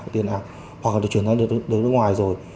tiền ả hoặc là được chuyển sang nước ngoài rồi